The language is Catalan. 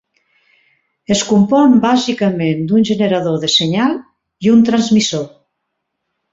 Es compon bàsicament d'un generador de senyal i un transmissor.